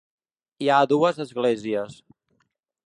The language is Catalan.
Hi ha dues esglésies.